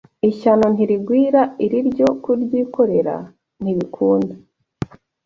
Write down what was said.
ishyano ntirigwira, iri ryo kuryikorera ntibikunda